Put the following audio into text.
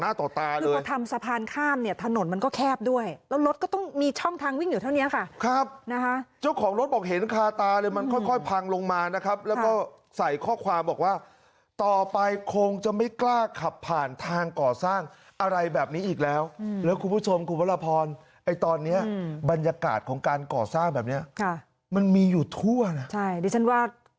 ต่อตาคือพอทำสะพานข้ามเนี่ยถนนมันก็แคบด้วยแล้วรถก็ต้องมีช่องทางวิ่งอยู่เท่านี้ค่ะครับนะคะเจ้าของรถบอกเห็นคาตาเลยมันค่อยค่อยพังลงมานะครับแล้วก็ใส่ข้อความบอกว่าต่อไปคงจะไม่กล้าขับผ่านทางก่อสร้างอะไรแบบนี้อีกแล้วแล้วคุณผู้ชมคุณพระพรไอ้ตอนเนี้ยบรรยากาศของการก่อสร้างแบบเนี้ยค่ะมันมีอยู่ทั่วนะใช่ดิฉันว่า